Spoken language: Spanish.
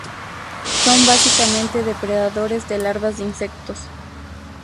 Son básicamente depredadores de larvas de insectos.